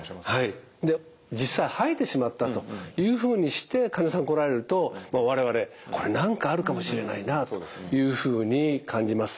実際吐いてしまったというふうにして患者さん来られると我々これ何かあるかもしれないなというふうに感じます。